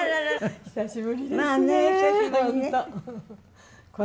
久しぶりですね。